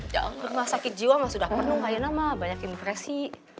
jangan lupa sakit jiwa mah sudah penuh kayaknya mah banyak impresi